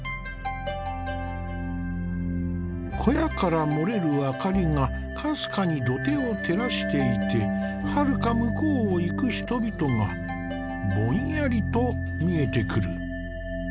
小屋から漏れる明かりがかすかに土手を照らしていてはるか向こうを行く人々がぼんやりと見えてくる。